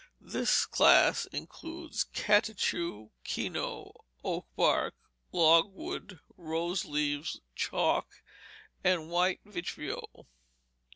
This class includes catechu, kino, oak bark, log wood, rose leaves, chalk, and white vitriol.